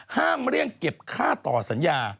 ห้ามเรียกเก็บค่าต่อสัญญา